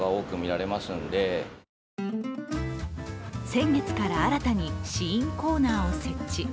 先月から新たに試飲コーナーを設置。